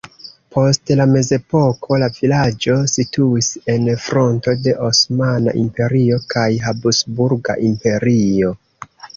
Post la mezepoko la vilaĝo situis en fronto de Osmana Imperio kaj Habsburga Imperio.